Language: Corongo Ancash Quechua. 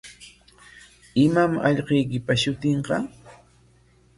¿Imam allquykipa shutinqa?